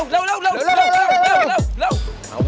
เร็ว